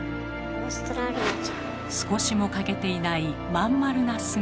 少しも欠けていないまん丸な姿。